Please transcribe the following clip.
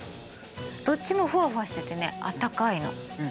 どっちもふわふわしててねあったかいの。